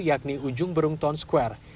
yakni ujung burung town square